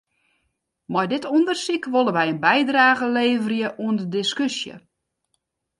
Mei dit ûndersyk wolle wy in bydrage leverje oan de diskusje.